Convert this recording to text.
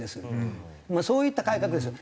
そういった改革ですよ。